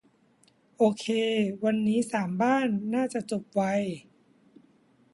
โอเค วันนี้สามบ้าน น่าจะจบไว